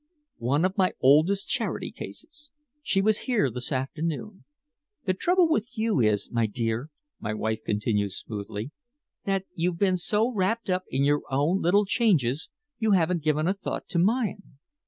"One of my oldest charity cases. She was here this afternoon. The trouble with you is, my dear," my wife continued smoothly, "that you've been so wrapped up in your own little changes you haven't given a thought to mine.